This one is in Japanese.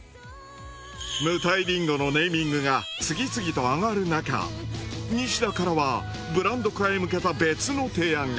無袋りんごのネーミングが次々と挙がるなかニシダからはブランド化へ向けた別の提案が。